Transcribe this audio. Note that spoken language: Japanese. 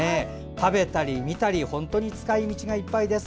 食べたり見たり使い道がいっぱいです。